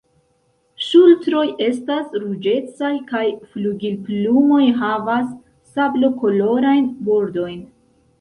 Ŝultroj estas ruĝecaj kaj flugilplumoj havas sablokolorajn bordojn.